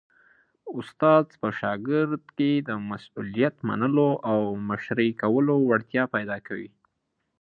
استاد په شاګرد کي د مسؤلیت منلو او مشرۍ کولو وړتیا پیدا کوي.